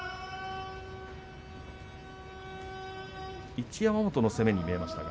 一山本の攻めに見えました。